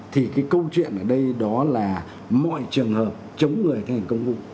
thì cái câu chuyện ở đây đó là mọi trường hợp chống người thi hành công vụ